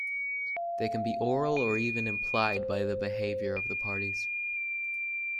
They can be oral or even implied by the behavior of the parties.